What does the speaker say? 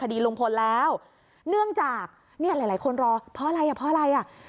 คดีรุงพลแล้วเนื่องจากหลายคนรอเพราะอะไรเพราะอะไร